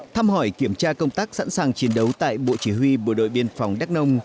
thăm hỏi kiểm tra công tác sẵn sàng chiến đấu tại bộ chỉ huy bộ đội biên phòng đắc nông